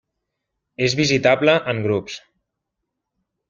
És visitable en grups.